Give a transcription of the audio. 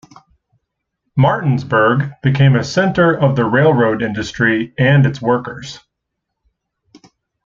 Martinsburg became a center of the railroad industry and its workers.